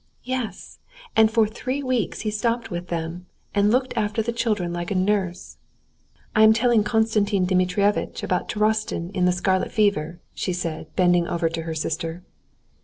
Yes, and for three weeks he stopped with them, and looked after the children like a nurse." "I am telling Konstantin Dmitrievitch about Turovtsin in the scarlet fever," she said, bending over to her sister.